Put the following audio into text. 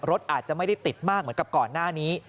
รถอาจจะไม่ได้ติดมากเหมือนกับก่อนหน้านี้